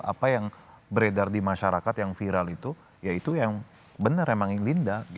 apa yang beredar di masyarakat yang viral itu ya itu yang benar emang yang linda